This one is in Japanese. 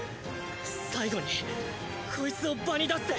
最後にこいつを場に出すぜ。